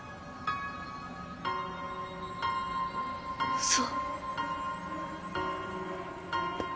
ウソ。